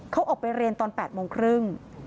เขาออกไปเรียนตอน๘โมงครึ่ง